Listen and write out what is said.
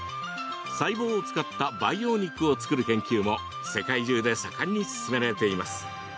細胞を使った培養肉を作る研究も世界中で盛んに進められています。